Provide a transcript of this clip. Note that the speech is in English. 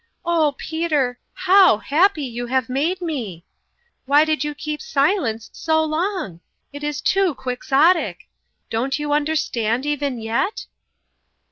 " Oh, Peter, how happy you have made me ! Why did you keep silence so long ? It was too quixotic ! Don't you understand even yet